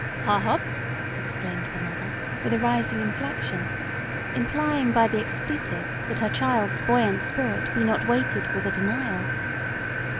"Hähob!" exclaimed the mother, with a rising inflection, implying by the expletive that her child's buoyant spirit be not weighted with a denial.